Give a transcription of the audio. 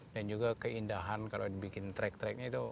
dan juga keindahan kalau dibikin trek treknya itu